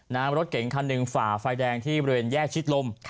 รถเก๋งคันหนึ่งฝ่าไฟแดงที่บริเวณแยกชิดลม